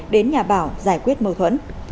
đến nhà bảo giải quyết mâu thuẫn